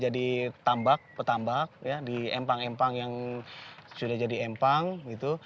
jadi tambak petambak ya di empang empang yang sudah jadi empang gitu